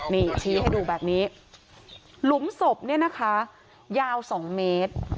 นี่ชี้ให้ดูแบบนี้หลุมศพเนี่ยนะคะยาว๒เมตร